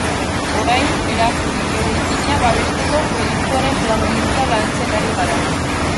Orain eraikina babesteko proiektuaren plangintza lantzen ari dira.